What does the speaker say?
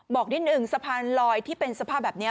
บอกนิดนึงสะพานลอยที่เป็นสภาพแบบนี้